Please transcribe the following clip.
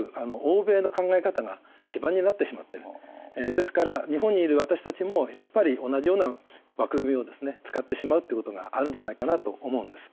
ですから日本にいる私たちもやっぱり同じような枠組みを使ってしまうってことがあるんじゃないかなと思うんです。